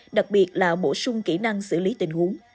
đặc biệt là bổ sung kỹ năng xử lý tình huống